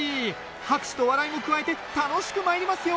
拍手と笑いも加えて楽しくまいりますよ！